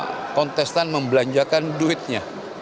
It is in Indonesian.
semua kontestan membelanjakan duitnya